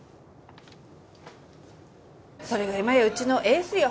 それが今やうちのエースよ。